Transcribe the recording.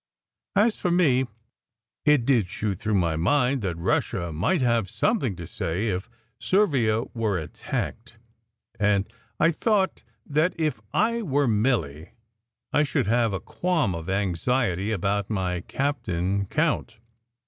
As for me, it did shoot through my mind that Russia might have something to say if Servia were attacked; and I thought that if I were Milly I should have a qualm of anxiety about my cap tain count.